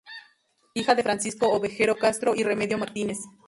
Hija de Francisco Ovejero Castro y Remedio Martínez.